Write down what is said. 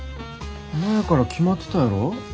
前から決まってたやろ？